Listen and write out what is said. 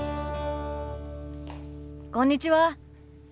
こんにちは。